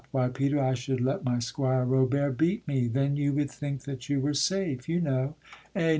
why, Peter, I should let My squire Robert beat me, then you would think That you were safe, you know; Eh?